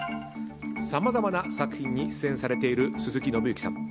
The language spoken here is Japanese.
さまざまな作品に出演されている鈴木伸之さん。